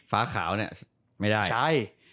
ฟ้าขาวเนี่ยไม่ได้ใช่